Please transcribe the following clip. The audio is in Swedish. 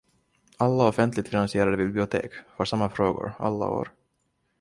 Alla offentligt finansierade bibliotek får samma frågor, alla år.